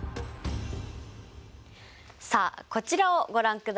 さあこちらをご覧ください。